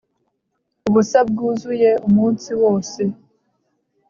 ubusa bwuzuye umunsi wose